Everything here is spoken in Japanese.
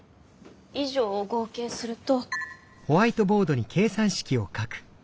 以上を合計すると。